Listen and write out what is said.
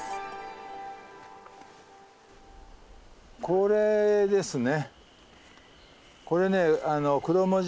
これですね。